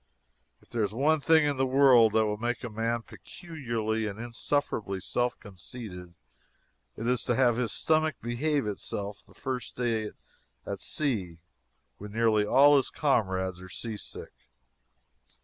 If there is one thing in the world that will make a man peculiarly and insufferably self conceited, it is to have his stomach behave itself, the first day at sea, when nearly all his comrades are seasick.